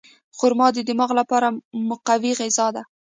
خرما د دماغ لپاره مقوي غذا ده.